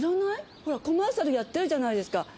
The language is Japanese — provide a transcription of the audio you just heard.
ほらコマーシャルやってるじゃないですか。